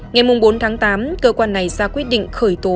ngày bốn tháng tám cơ quan này ra quyết định khởi tố